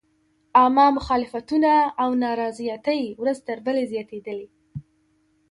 عامه مخالفتونه او نارضایتۍ ورځ تر بلې زیاتېدلې.